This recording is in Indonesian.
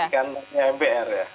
di kandangnya mbr ya